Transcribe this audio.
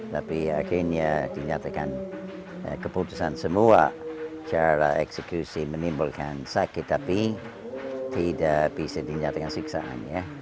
tapi akhirnya dinyatakan keputusan semua cara eksekusi menimbulkan sakit tapi tidak bisa dinyatakan siksaan